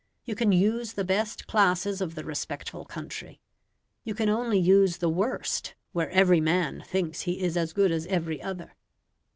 You can use the best classes of the respectful country; you can only use the worst where every man thinks he is as good as every other.